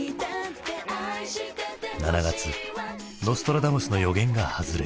７月ノストラダムスの予言が外れる。